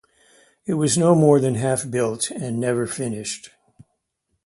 It was no more than half built and never finished.